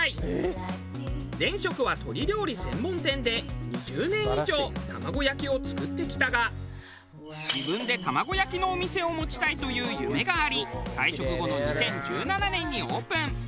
前職は鶏料理専門店で２０年以上卵焼きを作ってきたが自分で卵焼きのお店を持ちたいという夢があり退職後の２０１７年にオープン。